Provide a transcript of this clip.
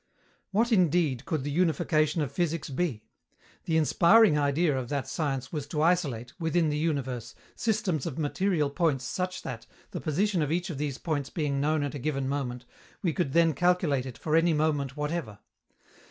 What, indeed, could the unification of physics be? The inspiring idea of that science was to isolate, within the universe, systems of material points such that, the position of each of these points being known at a given moment, we could then calculate it for any moment whatever.